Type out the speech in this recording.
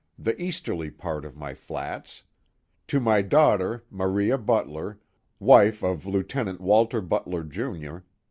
the easterly part of my flats; tony daughter, Maria Butler, wife of Lieutenant Waller Buller, Jr..